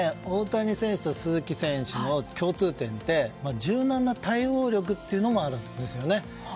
大谷選手と鈴木選手の共通点って柔軟な対応力というのもあるんですよね。